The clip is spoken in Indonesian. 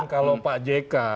kalau pak jk